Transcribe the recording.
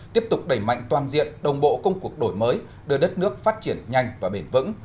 tiếp tục đẩy mạnh toàn diện đồng bộ công cuộc đổi mới đưa đất nước phát triển nhanh và bền vững